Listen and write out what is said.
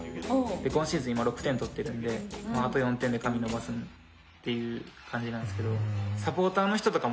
今シーズン今６点取ってるんであと４点で髪伸ばすっていう感じなんですけど。